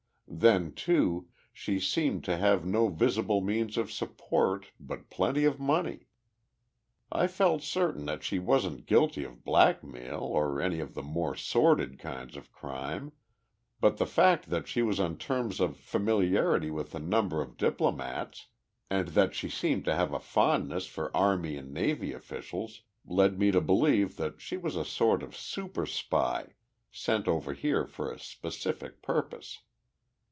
Then, too, she seemed to have no visible means of support, but plenty of money. "I felt certain that she wasn't guilty of blackmail or any of the more sordid kinds of crime, but the fact that she was on terms of familiarity with a number of diplomats, and that she seemed to have a fondness for army and navy officials, led me to believe that she was a sort of super spy, sent over here for a specific purpose.